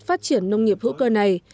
phát triển nông nghiệp hữu cơ này